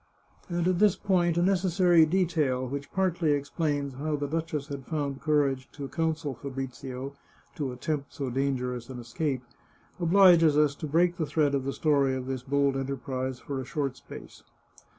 And at this point a necessary detail, which partly ex plains how the duchess had found courage to counsel Fa brizio to attempt so dangerous an escape, obliges us to break the thread of the story of this bold enterprise for a short space.